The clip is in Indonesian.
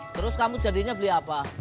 terus kamu jadinya beli apa